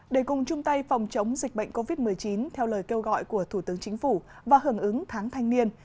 để cùng chung tay phòng chống dịch bệnh covid một mươi chín theo lời kêu gọi của thủ tướng chính phủ và hưởng ứng tháng thanh niên